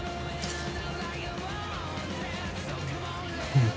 うん！